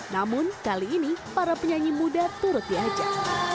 namun kali ini para penyanyi muda turut diajak